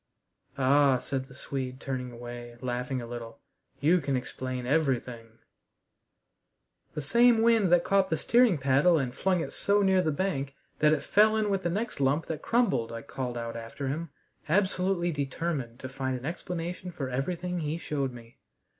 "Ah," said the Swede, turning away, laughing a little, "you can explain everything!" "The same wind that caught the steering paddle and flung it so near the bank that it fell in with the next lump that crumbled," I called out after him, absolutely determined to find an explanation for everything he showed me.